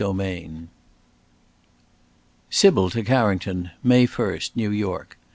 Conclusion SYBIL TO CARRINGTON "May 1st, New York.